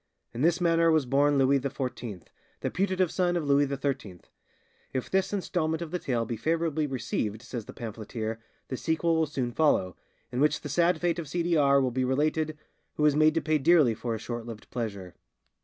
In this manner was born Louis XIV, the putative son of Louis XIII. If this instalment of the tale be favourably received, says the pamphleteer, the sequel will soon follow, in which the sad fate of C. D. R. will be related, who was made to pay dearly for his short lived pleasure."